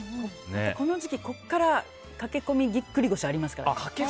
この時期、ここから駆け込みぎっくり腰ありますからね。